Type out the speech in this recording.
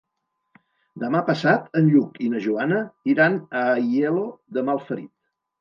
Demà passat en Lluc i na Joana iran a Aielo de Malferit.